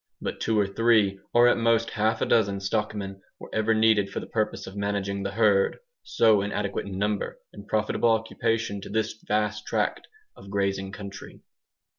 But two or three, or at most half a dozen, stockmen were ever needed for the purpose of managing the herd, so inadequate in number and profitable occupation to this vast tract of grazing country.